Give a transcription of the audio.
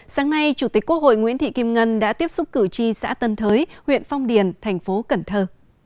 sáng nay chủ tịch quốc hội nguyễn thị kim ngân đã tiếp xúc cử tri xã tân thới huyện phong điền thành phố cần thơ